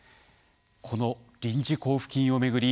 この臨時交付金を巡り